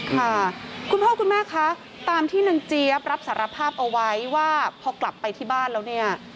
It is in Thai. ค่ะคุณพ่อคุณแม่คะตามที่นางเจี๊ยบรับสารภาพเอาไว้ว่าพอกลับไปที่บ้านแล้วเนี่ย